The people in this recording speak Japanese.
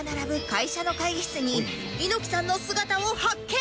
会社の会議室に猪木さんの姿を発見！